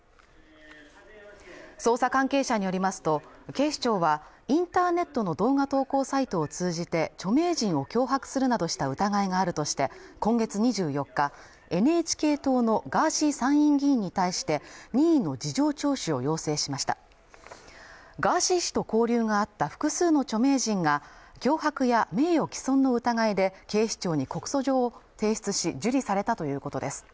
捜査関係者によりますと警視庁はインターネットの動画投稿サイトを通じて著名人を脅迫するなどした疑いがあるとして今月２４日ＮＨＫ党のガーシー参院議員に対して任意の事情聴取を要請しましたガーシー氏と交流があった複数の著名人が脅迫や名誉毀損の疑いで警視庁に告訴状を提出し受理されたということです